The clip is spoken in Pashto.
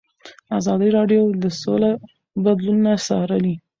ازادي راډیو د سوله بدلونونه څارلي.